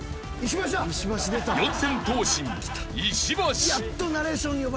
［四千頭身石橋］